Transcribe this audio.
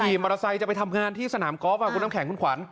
มอเตอร์ไซค์จะไปทำงานที่สนามกอล์ฟคุณน้ำแข็งคุณขวัญ